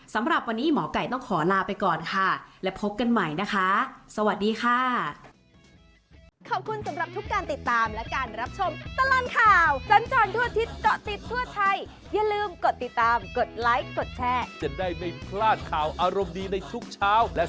สำหรับวันนี้หมอไก่ต้องขอลาไปก่อนค่ะและพบกันใหม่นะคะสวัสดีค่ะ